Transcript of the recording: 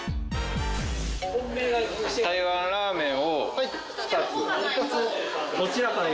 台湾ラーメンを２つ。